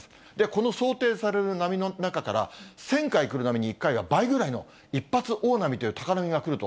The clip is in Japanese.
この想定される波の中から、１０００回来る波に１回は、倍くらいの一発大波という高波が来ると。